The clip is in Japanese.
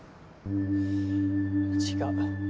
違う。